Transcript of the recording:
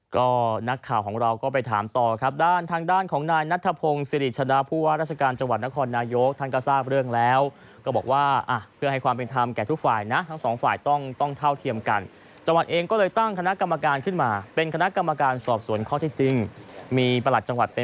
ก็นักข่าวของเราก็ไปถามต่อครับด้านทางด้านของนายนัทพงศิริชดาผู้ว่าราชการจังหวัดนครนายกท่านก็ทราบเรื่องแล้วก็บอกว่าอ่ะเพื่อให้ความเป็นธรรมแก่ทุกฝ่ายนะทั้งสองฝ่ายต้องต้องเท่าเทียมกันจังหวัดเองก็เลยตั้งคณะกรรมการขึ้นมาเป็นคณะกรรมการสอบสวนข้อที่จริงมีประหลั